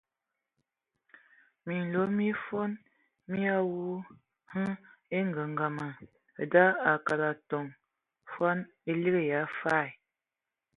Minlo mi fol mi awu hm angəngəmə da akalɛn atɔm, fol e ngalɛdə e ligi bifəl.